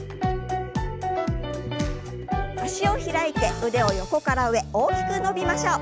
脚を開いて腕を横から上大きく伸びましょう。